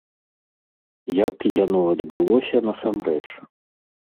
Як яно адбылося насамрэч?